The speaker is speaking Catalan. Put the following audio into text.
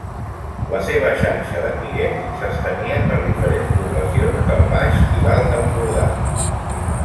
La seva xarxa de clients s'estenia per diferents poblacions del Baix i l'Alt Empordà.